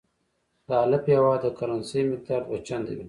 د الف هیواد د کرنسۍ مقدار دوه چنده وي.